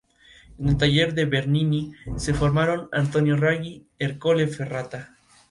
En el taller de Bernini se formaron Antonio Raggi y Ercole Ferrata.